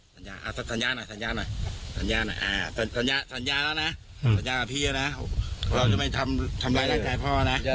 สัญญาหน่อยสัญญาหน่อยสัญญาหน่อยสัญญาแล้วนะสัญญากับพี่แล้วนะ